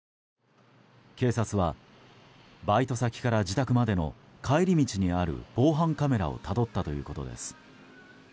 警察は、バイト先から自宅までの帰り道にある防犯カメラをたどったということです。